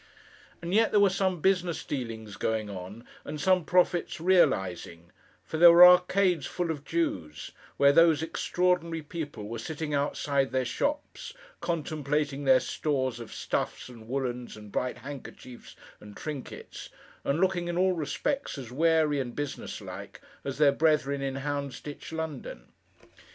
And yet there were some business dealings going on, and some profits realising; for there were arcades full of Jews, where those extraordinary people were sitting outside their shops, contemplating their stores of stuffs, and woollens, and bright handkerchiefs, and trinkets: and looking, in all respects, as wary and business like, as their brethren in Houndsditch, London.